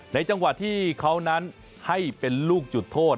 จังหวะที่เขานั้นให้เป็นลูกจุดโทษ